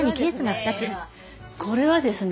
これはですね